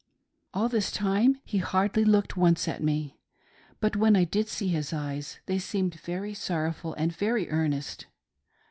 All this time he hardly once looked at me, but when I did see his eyes tfiey seemed very sorrowful and very earnest.